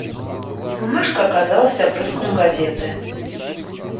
Бумажка оказалась обрывком газеты.